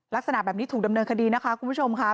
ลักษณะแบบนี้ถูกดำเนินคดีนะคะคุณผู้ชมค่ะ